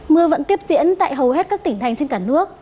mưa vẫn tiếp diễn tại hầu hết các tỉnh thành trên cả nước